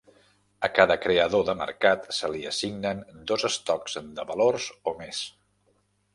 A cada creador de mercat se li assignen dos estocs de valors o més.